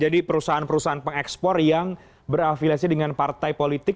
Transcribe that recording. jadi perusahaan perusahaan pengekspor yang berafilasi dengan partai politik